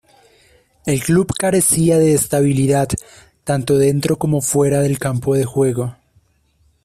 El club carecía de estabilidad, tanto dentro como fuera del campo de juego.